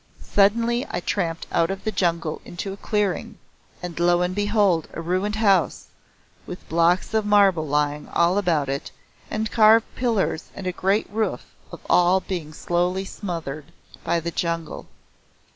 Suddenly I tramped out of the jungle into a clearing, and lo and behold a ruined House, with blocks of marble lying all about it, and carved pillars and a great roof all being slowly smothered by the jungle.